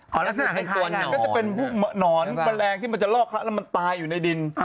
ก็จะเป็นพวกหนอนแบรนด์ที่มันจะลอกรักแล้วมันตายอยู่ในดิน